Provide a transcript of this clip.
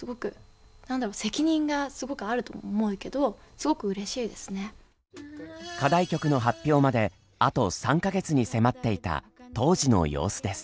すごく何だろ課題曲の発表まであと３か月に迫っていた当時の様子です。